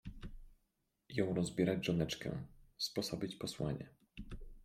Jął rozbierać żoneczkę, sposobić posłanie